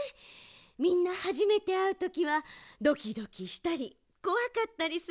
みんなはじめてあうときはドキドキしたりこわかったりするものね。